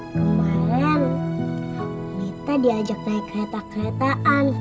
enak dong ma kemarin mita diajak naik kereta keretaan